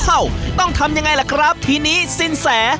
ต้องทำยังไงล่ะครับทีนี้สินแส